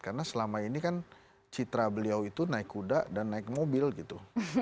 karena selama ini kan citra beliau itu naik kuda dan naik mobil gitu